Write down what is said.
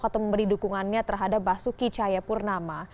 yang berpengaruh dengan masalah keamanan